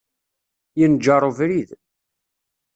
Yenǧer ubrid.